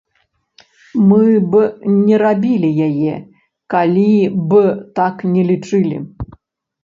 Мы б не рабілі яе, калі б так не лічылі.